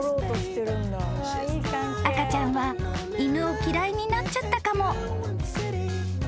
［赤ちゃんは犬を嫌いになっちゃったかも］